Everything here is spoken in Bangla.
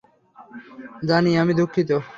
জানি, আমি দুঃখিত।